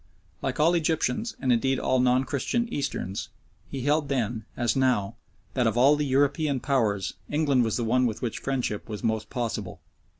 Like all Egyptians, and indeed all non Christian Easterns, he held then, as now, that of all the European Powers England was the one with which friendship was most possible.